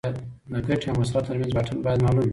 د ګټې او مصرف ترمنځ واټن باید معلوم وي.